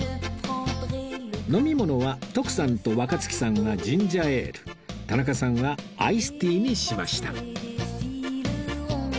飲み物は徳さんと若槻さんがジンジャーエール田中さんはアイスティーにしました